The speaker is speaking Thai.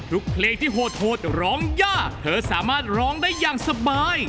เพลงที่โหดร้องยากเธอสามารถร้องได้อย่างสบาย